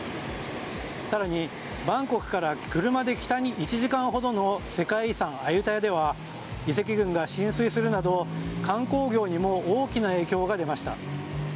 更に、バンコクから車で北に１時間ほどの世界遺産アユタヤでは遺跡群が浸水するなど観光業にも大きな影響が出ました。